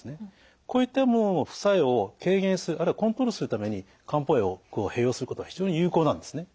こういったものの副作用を軽減するあるいはコントロールするために漢方薬を併用することは非常に有効なんですね。